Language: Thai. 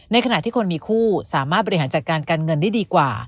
ขณะที่คนมีคู่สามารถบริหารจัดการการเงินได้ดีกว่า